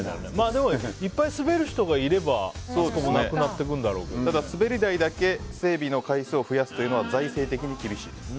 でも、いっぱい滑る人がいればだから滑り台だけ整備の数を増やすというのは財政的に厳しい。